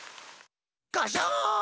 ガシャーン！